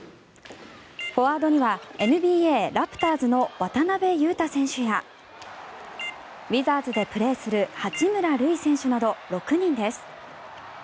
フォワードにはＮＢＡラプターズの渡邊雄太選手やウィザーズでプレーする八村塁選手など６人です。